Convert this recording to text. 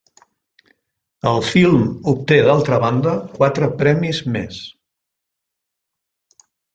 El film obté d'altra banda quatre premis més.